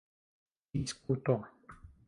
diskuto